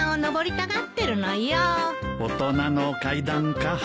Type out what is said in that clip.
大人の階段か。